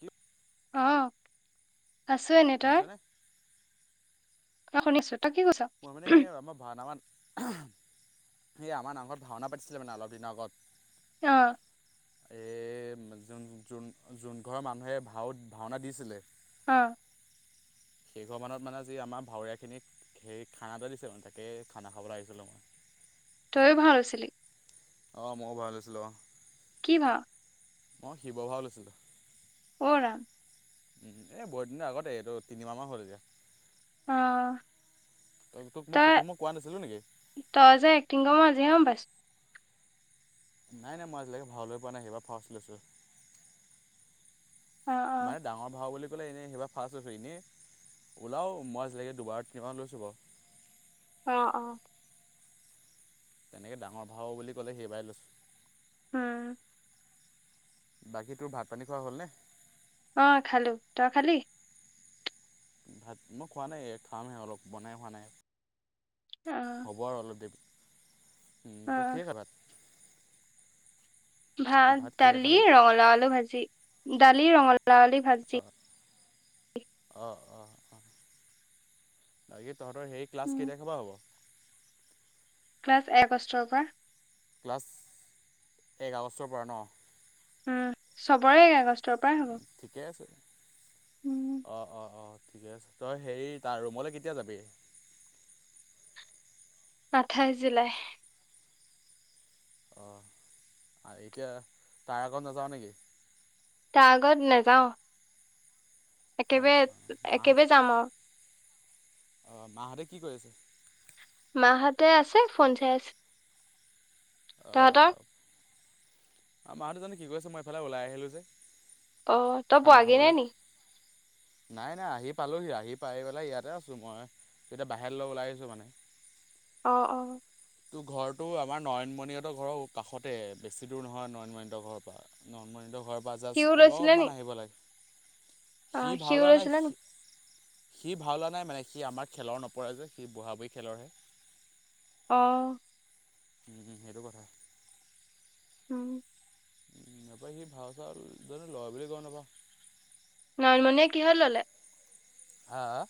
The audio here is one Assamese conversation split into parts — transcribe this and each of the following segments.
কি অ, আছো এনেই। তই? শুনিছনে অ শুনিছো। তই কি কৈছ? মই মানে আমাৰ ভাওনা খন- হে আমাৰ নামঘৰত ভাওনা পাতিছিলে মানে অলপ দিনৰ আগত। অ। এই যোন যোন যোন ঘৰৰ মানুহে ভাও ভাওনা দিছিলে, অ। সেইঘৰ মানত মানে যি আমাৰ ভাৱৰীয়া খিনিক- সেই খানা এটা দিছে মানে তাকেই খানা খাবলৈ আহিছিলোঁ মই। তইয়ো ভাও লৈছিলি? অ মই ভাও লৈছিলো অ। কি ভাও? মই শিৱ ভাও লৈছিলো। অ, ৰাম। এই বহুত দিনৰ আগতে এইটো তিনিমাহমান হ'ল এতিয়া। অ, ত তোক মই তোক মই কোৱা নাছিলো নেকি? তইজে এক্টিং কৰ মই আজিহে গম পাইছো। নাই নাই মই আজিলৈকে ভাও লৈ পোৱা নাই এইবাৰ ফাৰ্ষ্ট লৈছো। অ। অ মানে ডাঙৰ ভাও বুলি ক'লে এনে সেইবাৰ ফাৰ্ষ্ট লৈছো এনেই, ওলাও, মই আজিলৈকে দুবাৰ তিনিবাৰ মান লৈছোঁ বাৰু। অ অ। তেনেকে ডাঙৰ ভাও বুলি ক'লে সেইবাৰেই লৈছো। উম, বাকী তোৰ ভাত পানী খোৱা হ'লনে? অ খালো তই খালি। ভাত মই খোৱা নাই, খামহে অলপ বনাই খোৱা নাই। অ হ'ব আৰু অলপ দে অ তই কিহে খালা ভাত। কি ভাত, কিহে দালি, খালি ৰঙালাও আলু ভাজি দালি ৰঙালাও আলু ভাজি। অ', অ', অ', বাকী তহতৰ হেৰি ক্লাছ উম কেইতাৰিখৰ পৰা হ'ব। ক্লাছ এক আগষ্টৰ পৰা। ক্লাছ এক আগষ্টৰ পৰা ন। উম চবৰে এক আগষ্টৰ পৰা। ঠিকে আছে উম অ, অ, অ, ঠিকে আছে। তই হেৰি তাৰ ৰুমলে কেতিয়া যাবি। আঠাইছ জুলাই। অ, এতিয়া তাৰ আগত নাযাও নেকি? তাৰ আগত নেজাও। অঁ অঁ একেবাৰে-একেবাৰে যাম আৰু অ, মাহতে কি কৰি আছে। মাহতে আছে ফোন চাই আছে। অ, তহঁতৰ অ, আমাৰ দুজনি কি কৈছে মই এইফালে ওলাই আহিলো যে, অ তই খানা পোৱাগে নে খাবলে। নি নাই নাই আহি পালোহি আহি পাই পেলাই ইয়াতে আছো মই। তেতিয়া বাহিৰ লে ওলাই আহিছো মানে। অ', অ', তো ঘৰতটো আমাৰ নয়নমনিহতৰ ঘৰৰ কাষতে বেছি দূৰ নহয় নয়নমণিহতৰ ঘৰৰ পৰা নয়নমনিহতৰ ঘৰৰ পৰা সিও জাষ্ট লৈছিলে নি অলপমান আহিব লাগে। অ সি ভাও সিও লোৱা নাই লৈছিলে নি সি, সি ভাও লোৱা নাই মানে সি আমাৰ খেলৰ নপৰে যে সি বঢ়া বুঢ়ী খেলৰহে। অ', উম, সেইটো কথা। উম, নাপাই সি ভাও চাও জানো লয় বুলি গম নাপাও। নয়নমণিয়ে কিহত ললে? হাহা।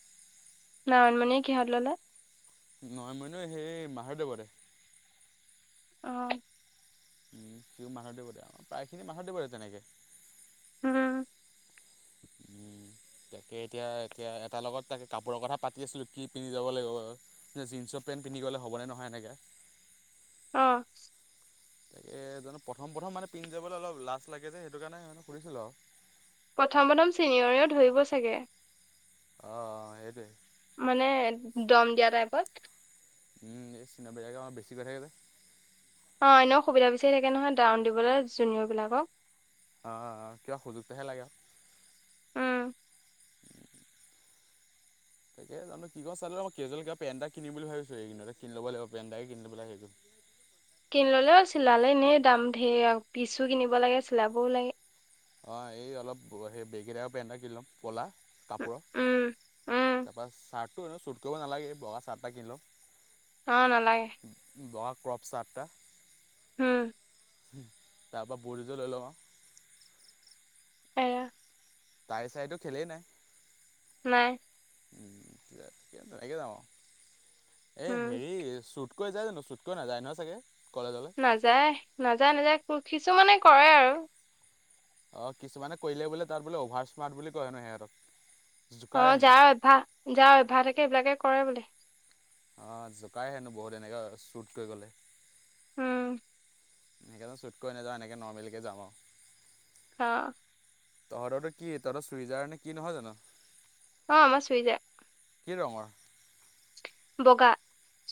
নয়নমণিয়ে কিহত ললে। নয়নমণিও সেই মাধৱদেৱতে। অ', উম সিও মাধৱদেৱতে আৰু প্ৰায়খিনি মাধৱদেৱৰে তেনেকে। উম, তাকে এতিয়া এতিয়া এটাৰ লগত তাকে কাপোৰ কথা পাতি আছিলোঁ কি পিন্ধি যাব লাগিব বাৰু যে জিনছৰ পেণ্ট পিন্ধি গ'লে হবে নে নহয় এনেকে। অ তাকে জানো প্ৰথম প্ৰথম মানে পিন্ধ যবলৈ অলপ লাজ লাগে যে সেইটো কাৰণে মানে সুধিছিলো আৰু। প্ৰথম প্ৰথম চিনিয়ৰেও ধৰিব চাগে। অ অ সেইটোৱেই। মানে দম দিয়া টাইপত। উম এই চিনিয়ৰ বিলাকে আমাৰ বেছি কৰি থাকে যে। অ, এনেও সুবিধা বিচাৰি থাকে নহয় ডাউন দিবলৈ জুনিয়ৰবিলাকক। আ কিবা সুযোগটোহে লাগে অ। উম। তাকে জানো কি কওঁ চাই লওঁ ৰ কেজুৱেল কে পেন এটা কিনিম বুলি ভাবিছো এইকেইদিনতে কিনি লব লাগিব পেন এটাই কিনি লব লাগে সেইযো কিনি ল'লেও চিলালে এনেই দাম ঢেৰ আৰু পিছো কিনিব লাগে চিলাবও লাগে। অ এই অলপ সেই বেগীটাইপ পেনটা কিনি ল'ম কলা উম কাপোৰ‌ উম উম তাপা চাৰ্টটো এনেও ছোট কৰিব নালাগে বগা চাৰ্ট এটা কিনি লম অ নালাগে। বগা ক্ৰপ চাৰ্ট এটা। হম। তাৰ পৰা বুট এজোৰ লৈ লম আও। এৰা তাইৰ চাই টো খেলেই নাই। নাই। উম লেত কে তেতেনে যায আও। এই উম হেৰি চুত চুটকৈ যায় জানো? চুটকৈ নাযায় নহয় চাগে কলেজলে। নাযায় নাযায় নাযায় কিছুমানে কৰে আৰু। অ কিছুমানে কৰিলে বোলে তাত বোলে অভাৰ স্মাৰ্ট বুলি কয় হেনো সেহতক। অ যাৰ অভ্যাস যাৰ অভ্যাস থাকে সেইবিলাকে কৰে বুলে। অ জোকাই হেনো বহুত এনেকা ছোট কৰি গ'লে। উম। হেনেকে নো চুট কৰি নাযাওঁ এনেকে নৰ্মেলিকে যাম আৱ। হা তহঁতৰ টো কি? তহঁত চুইজাৰ নে কি নহয় জানো? অ আমাৰ চুইজাৰ। কি ৰঙৰ? বগা।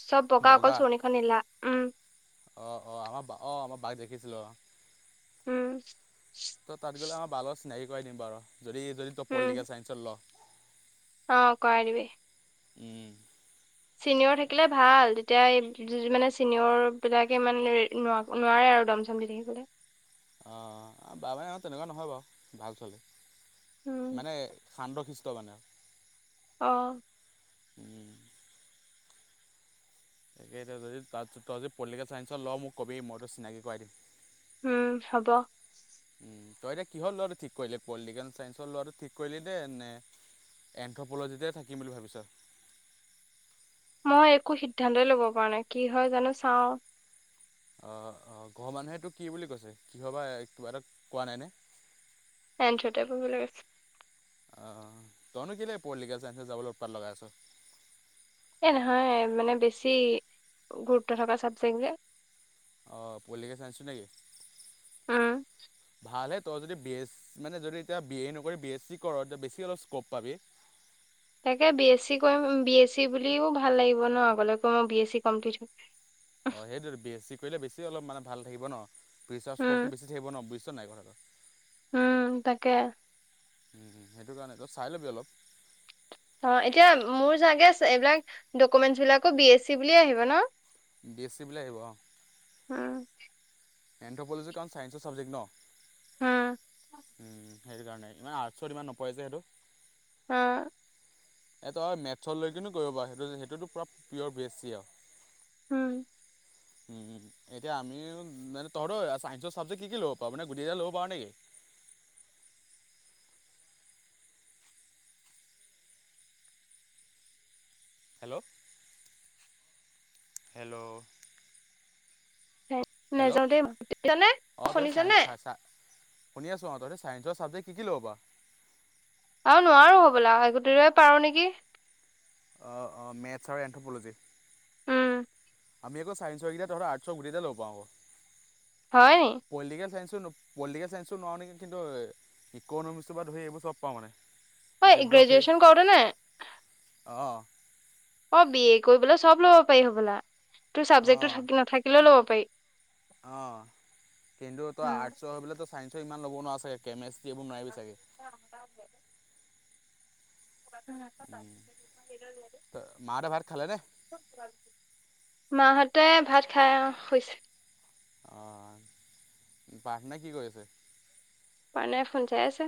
চব বগা অকল চোৰণিখন নীলা। উম অ অ আমাৰ বা অ আমাৰ বাক দেখিছিলো অ। উম। ত' তাত গ'লে আমাৰ বা লগত চিনাকী কৰাই দিম বাৰু। যদি যদি তই উম পলিটিকেল ছাইঞ্চত ল। অ কৰাই দিবি। উম। চিনিয়ৰ থাকিলে ভাল। তেতিয়া এই [unintelligible] মানে চিনিয়ৰবিলাকে ইমান ন নোৱাৰে আৰু দম চম দি থাকিবলে। অঁ বা মানে অ তেনেকুৱা নহয় বাৱ। ভাল ছোৱালী উম মানে সান্ট শিষ্ট মানে। অ। উম। তাকে এটিয়া যদি তাত তই যদি পলিটিকেল চাইন্সত লও মোক কবি মই তোক চিনাকি কৰাই দিম। উম হব। উম তই এতিয়া কিহত লোৱাটো ঠিক কৰিলি? পলিটিকেল চাইন্সত লোৱাটো ঠিক কৰিলি দে নে? এন্থ'পলজিতে থাকিম বুলি ভাবিছ? মই একো সিদ্ধান্তই ল'ব পৰা নাই। কি হয় জানো চাওঁ। অ অ ঘৰ মানুহে তোক কি বুলি কৈছে? কিহ বা কিবা এটাত কোৱা নাইনে? চাইন্সতে পঢ়িবলৈ কৈছে অ তইনো কেলে পলিটিকেল চাইন্সত যাবলে উতপাত লগাই আছ? এই নহয় মানে বেছি গুৰুত্ব থকা চাবজেক্ট যে। অঁ পলিটিকেল চাইন্ঞ্চটো নেকি? উম। ভালহে তই যদি বি এছ মানে যদি এতিয়া বি এ নকৰি বি এছ চি কৰ এতিয়া বেছি অলপ স্ক'প পাবি। তাকে বি এছ চি কৰিম বি এছ চি বুলিও ভাল লাগিব ন আগলৈকৈ মই বি এছ চি কমপ্লিট হৈ। অ সেইটোৱেটো বেএছি কৰিলে বেছি অলপ মানে ভাল থাকিব ন। উম প্ৰিচাৰ্জ্স্কপটো বেছি থাকিব ন বুজিছা নাই কথাটো? উম তাকে। উম উম সেইটো কাৰণেতো চাই ল'বি অলপ। অ এতিয়া মোৰ চাগে এইবিলাক ডকুমেণ্টচ বিলাকো বি এছ চি বুলিয়েই আহিব ন। বি এ চি বুলি আহিব অঁ। উম এন্থ্ৰপলজিকখন চাইঞ্চ চাবজেট ন। উম উম, সেইটো কাৰণে আৰ্টছ ইমান নপৰে যে সেইটো। অঁ এ ত‌ই মেথছ লৈকিনো কৰিব পাৰ সেইটো সেইটোতো পৰা পিয়' ভি এছ চি আও। উম উম এতিয়া আমিও মানে- তহঁতৰ ছায়ঞ্চৰ চাবজেক্ট কি ল'ব পাৰ মানে গটেকেইটা ল'ব পাৰ নিকি। হেল্ল' হেল্ল' হেল্ল' নাযাওঁ দেই শুনিছানে অঁ তই চাইন শুনিছানে চা- শুনি আছোঁ, অ তহতি ছাইঞ্চৰ চাবজেক্ট কি কি ল'ব পাৰ। আৰু নোৱাৰোঁ হ'বলা একগোটই পাৰো নেকি। অ অ মেথছ আৰু এন্থ'প'লজী। উম আমি আক ছায়ঞ্চসৰকেই তহঁতৰ আৰ্টচৰ গোটেই কেইটা লব পাৰোঁ আক। হয় নি। পলিটিকেল চায়েন্স পলিটিকেল চায়ন্সো নোৱাৰো নেকি, কিন্তু- ইক'নমিকছটো পা ধৰি এইবোৰ চব পাওঁ মানে- ঐ জিঅ'গ্ৰাফি গ্ৰেজুৱেচন কৰোতে নে অঁ- অঁ বি এ কৰিবলৈ চব ল'ব পাৰি হ'বলা তোৰ অঁ ছাবজেক্টটো নাথাকিলেও ল'ব পাৰি। অঁ, কিন্তু তই আৰ্টছৰ হৈ পেলায় তো ছাইন্ঞ্চৰ ইমান ল'ব নোৱাৰ ছাগে। কেমেষ্ট্ৰী সেইবোৰ নোৱাৰিবি চাগে। উম, ত মাহঁতে ভাত খালে নে? মাহঁতে ভাত খাই অঁ শুইছে। অঁ, পাৰ্থনাই কি কৰি আছে? আইনা খন চাই আছে।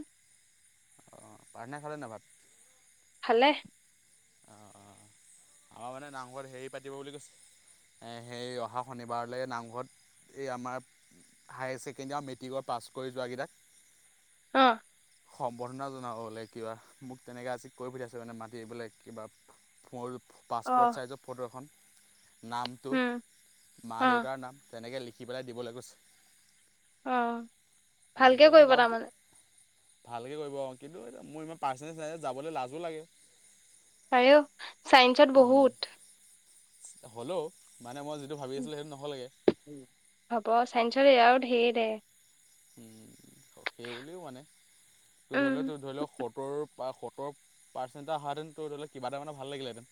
অঁ, পাৰ্থনাই খালে নাই ভাত? খালে। অঁ অঁ, আমাৰ মানে নামঘৰত হেৰি পাতিব বুলি কৈছে। সেই অহা শনিবাৰলৈ নামঘৰত এই আমাৰ- হায়াৰ ছেকেণ্ডেৰী আৰু মেট্ৰিকৰ পাছ কৰি যোৱা কেইটাক- অঁ সম্বৰ্ধনা জনাব বোলে কিবা মোক তেনেকে আজি কৈ পুঠাইছে মানে মাটিবলে। কিবা মোৰ অ পাছপ'ৰ্ট চাইজৰ ফটো এখন। নামটো উম মা অ দেউতাৰ নাম তেনেকৈ লিখি পেলাই দিবলে কৈছে। অ উম, ভালকে তেনে কৰিব গাঁৱত কি- তাৰমানে ভালকৈ কৰিব কিন্তু এতিয়া মোৰ ইমান পাৰ্চেন্টেজ নাই যাবলৈ লাজো লাগে। পাৰে অ। হ'লেও মানে মই যিটো ভাবি আছিলোঁ সেইটো নহ'লগে। হ'ব চাইন্সৰ এইয়াও ঢেৰ দে উম সেইবুলিও মানে তোৰ উম ধৰি লওক ত ধৰি লওক সতৰ পৰা সতৰ- পাৰ্চণ এটা অহা হেঁতেন তোৰ ধৰি লওঁ কিবা এটা মানে ভাল লাগিল হেঁতেন।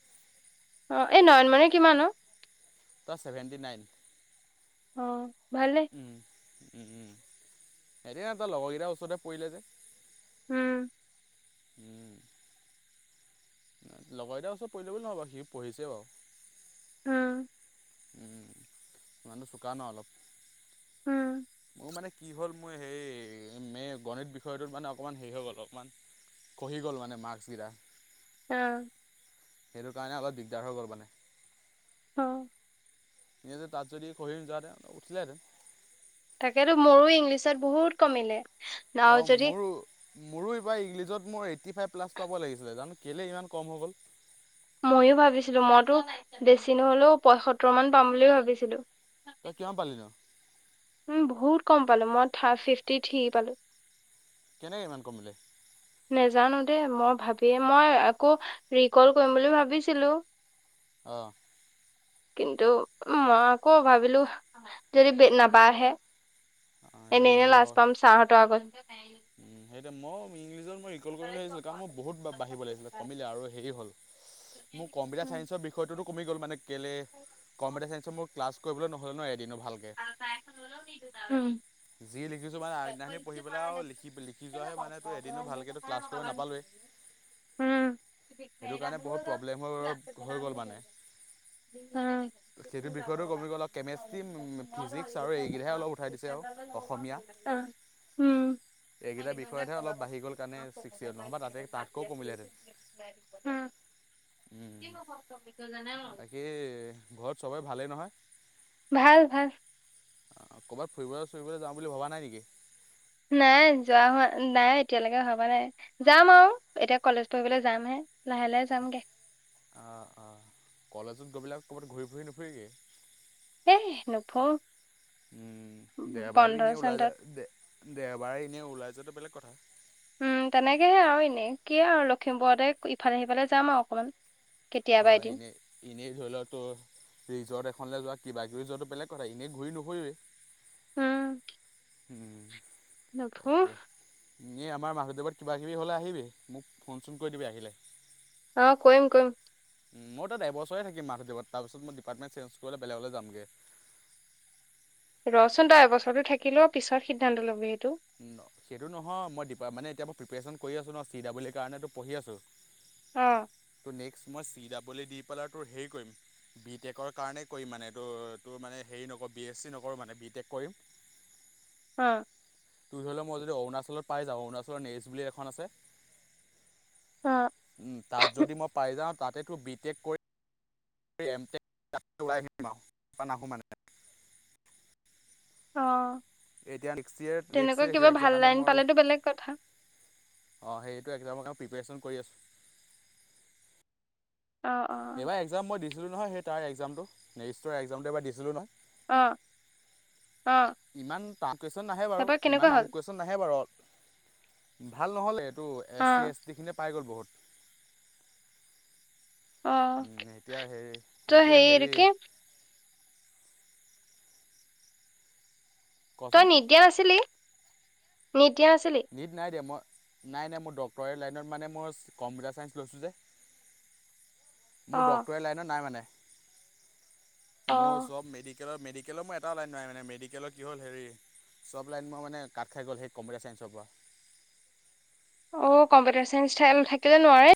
অ এই নয়নমণি কিমান অ তা ছেভেণ্টি নাইন। অ ভালে সেইদিনা তই লগৰকেইটাৰ ওচৰতে পৰিলে যে হম উম লগৰ কেইটা ওচৰত পঢ়িছে বুলি নহয় বাও সি পঢ়িছে বাও। উম উম ই মানুহটো চোকা ন অলপ, উম মোৰ মানে কি হ'ল মোৰ হেই মে গণিত বিষয়টোত মানে অকমান হেৰি হৈ গ'ল অকমান খহি গ'ল মানে মাৰ্কেচ গিটা আ সেইটো কাৰণে অলপ দিগদাৰ হৈ গ'ল মানে অ এনে যদি তাত যদি খহি নোযোৱা হেতেন উঠিলহেঁতেন। তাকেতো মোৰো ইংলিছত বহুত কমিলে। অ আৰু যদি মোৰো। মোৰো এইবাৰ ইংলিজত মোৰ এইটি ফাইভ প্লাছ পাব লাগিছিলে জানো কেলে ইমান কম হৈ গ'ল। মইয়ো ভাবিছিলো মইতো বেছি নহ'লেও পঁয়সত্তৰ মান পাম বুলিও ভাবিছিলো। তই কিমান পালি নো? বহুত কম পালোঁ মই থা ফি্টি থ্ৰী পালোঁ। কেনেকে ইমান কমিলে? নেজানো দেই মই ভাবিয়ে মই আকৌ ৰিকল কৰিম বুলি ভাবিছিলোঁ। অ। কিন্তু মই আকৌ ভাবিলো যদি নাবাঢ়ে। অঁ এতিয়া এনে এনে এনেই যাব লাজ পাম চাৰহঁতৰ আগত। সেইটোৱে মইও ইংলিজত মই ৰিকলল কৰিম বুলি ভাবিছিলোঁ কাৰণ মই বহুত বাঢ়িব লাগিছিলে কমিলে আৰু হেৰি হ'ল মোৰ কম্পিউটাৰ উম চাইন্সৰ বিষ- বিষয়টো কমি গ'ল মানে কেলে কম্পিউটাৰ ছায়েঞ্চৰ মোৰ ক্লাছ কৰিবলৈ নহ'লে নহয় এদিনো ভালকে। যি লিখিছো মানে আগদিনাখিনি পঢ়ি পেলাইও লিখ- লিখি যোৱাহে মানে তো এদিনো ভালকে ক্লাছ কৰিব নাপালোৱে উম প্ৰব্লেম হৈ হৈ গ'ল মানে [unintelligible] সেইটো বিষয়টো কমি গ'ল আৰু কেমেষ্ট্ৰি অ। ফিজিক্স আৰু এইকেইটাহে অলপ উঠাই দিছে আৰু অসমীয়া। অ উম। এইকেইটা বিষয়তহে অলপ বাঢ়ি গ'ল কাৰণে ছিক্স ইয়েৰ নহ'বা তাতে তাতকৈও কমিলেহেঁতেন [unintelligible] অ বাকী ঘৰত চবেৰে ভালেই নহয়। ভাল ভাল। অ ক'ৰবাত ফুৰিবলৈ চৰিবলৈ যাম বুলি ভবা নাই নেকি? নাই যোৱা হোৱা নাই এতিয়ালৈকে ভবা নাই। যাম আও এতিয়া কলেজ পঢ়িবলৈ যামহে লাহে লাহে যামগে। অ অ কলেজত গৈ পেলায় ক'ৰবাত ঘূৰি ফুৰি নুফুইগে। এ নুফুৰো। উম দে বাৰু বন্ধ এনেই ওলাই যা চন্ধত দে দেওবাৰে ইনেই ওলাই যোৱাটো বেলেগ কথা। উম তেনেকেহে আও এনেই কি আও লখিমপুৰতে ইফালে সিফালে যাম আও অকমান। কেতিয়াবা অ' এদিন এনেই। এনেই ধৰি লও তো ৰিজৰ্ট এখনলে যোৱা কিবা কিবি যোৱাটো বেলেগ কথা এনেই ঘূৰি নুফুৰিবি। হম। হম তাকে। এনে আমাৰ মাধৱদেৱত কিবাকিবি হ'লে আহিবি, মোক ফোন চোন কৰি দিবি আহিলে। অ' কৰিম-কৰিম। মই তাত এবছৰে থাকিম মাধৱদেৱত তাৰ পাছত মই ডিপাৰ্টমেণ্ট চে্জ কৰি বেলেগলে যামগে। ৰচোন তই এবছৰটো থাকিলেও পিছত সিদ্ধান্ত ল'বি সেইটো। সেইটো নহয় মই ডীপাৰ মানে এতিয়া প্ৰপেশ্যন কৰি আছোঁ ন' চি ডাবল ই কাৰণে পঢ়ি আছোঁ। অ' ত' নেক্সট মই চি ডাবল ই দি পেলাই তোৰ হেৰি কৰিম বি টেকৰ কাৰণেই কৰিম মানে এইটো টোৰ মানে হেৰি নকৰো বি এছ চি নকৰোঁ মানে বি টেক কৰিম। অ' তোৰ ধৰি ল' মই যদি অৰুণাচলত পাই যাওঁ, অৰুণাচলত নেৰিষ্ট বুলি এখন আছে। অ উম তাত যদি মই পাই যাওঁ তাতে তোৰ বিটেক কৰিম। এই এম টেক তাত ওলাই আহিম আৰু তাৰপা নাহো মানে। অ' এতিয়া নেক্সট ইয়েৰ নেক্সট তেনেকুৱা কিবা ইয়েৰ [unintelligible] ভাল কাৰণে লাইন মই আৰু পালেতো বেলেগ কথা অ' সেইটো এক্সামৰ কাৰণে প্ৰিপেৰেশ্যন কৰি আছোঁ। অ অ সেইবাৰ এক্সাম মই দিছিলোঁ নহয় সেই তাৰ একজামটো নেৰিষ্টৰ এক্সামটো এবাৰ দিছিলোঁ নহয়। অ'-অ'। ইমান টান কুৱেশন নাহে বাৰু ইমান টান কুৱেশন নাহে বাৰু। ভাল নহ'ল এইটো অ এছ চি, এছ টি খিনিয়ে পাই গ'ল বহুত। অ উম এতিয়া হেৰি তই এতিয়া এইটো হেৰি কি তই কচোন নিট দিয়া নাছিলি নিট দিয়া নাছিলি? নিট নাই দিয়া মই নাই-নাই মোৰ ডক্টৰেট লাইনত মানে মই কম্পিউটাৰ ছাইন্স লৈছোঁ যে। অ মোৰ ডক্টৰেট লাইনত নাই মানে। অ মোৰ চব মেডিকেলত মেডিকেলৰ মোৰ এটিয়াও লাইন নাই মানে মেডিকেলত কি হ'ল হেৰি চব লাইন মোৰ মানে কাট খাই গ'ল সেই কম্পিউটাৰ চায়েঞ্চৰ পৰা। অ' কম্পিউটাৰ চাইন্স ঠাই থাকিলে নোৱাৰে।